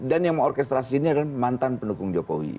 dan yang mau orkestrasi ini adalah mantan pendukung jokowi